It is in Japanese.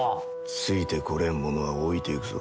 ついてこれん者は置いていくぞ。